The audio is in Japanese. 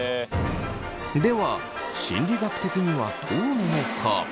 では心理学的にはどうなのか？